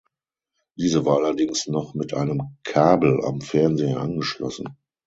Diese war allerdings noch mit einem Kabel am Fernseher angeschlossen.